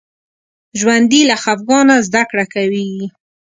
ژوندي له خفګانه زده کړه کوي